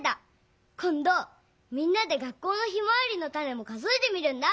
こんどみんなで学校のヒマワリのタネも数えてみるんだ。